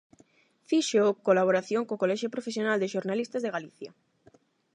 Fíxoo colaboración co Colexio Profesional de Xornalistas de Galicia.